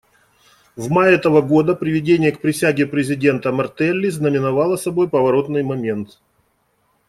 В мае этого года приведение к присяге президента Мартелли знаменовало собой поворотный момент.